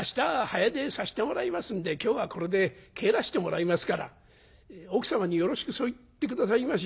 早出さしてもらいますんで今日はこれで帰らしてもらいますから奥様によろしくそう言って下さいまし。